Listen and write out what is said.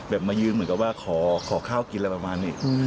มายืนเหมือนกับว่าขอข้าวกินอะไรประมาณนี้